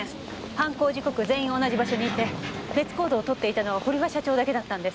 犯行時刻全員同じ場所にいて別行動をとっていたのは堀場社長だけだったんです。